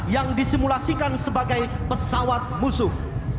yang disimulasikan sebagai pesawat musuh